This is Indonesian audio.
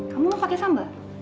kamu mau pakai sambal